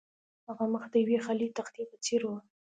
د هغه مخ د یوې خالي تختې په څیر و